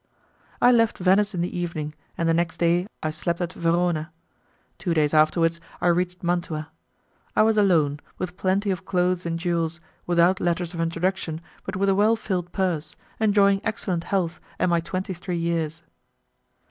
I left Venice in the evening and the next day I slept at Verona. Two days afterwards I reached Mantua. I was alone, with plenty of clothes and jewels, without letters of introduction, but with a well filled purse, enjoying excellent health and my twenty three years.